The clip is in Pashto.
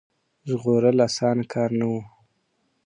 ژغورل اسانه کار نه وو.